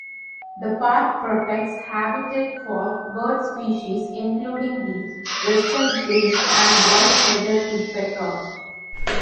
The park protects habitat for bird species including the western grebe and white-headed woodpecker.